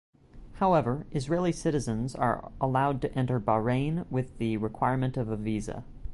However, Israeli citizens are allowed to enter Bahrain with the requirement of a visa.